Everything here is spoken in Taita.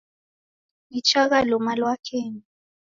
Nichagha luma lwa kenyi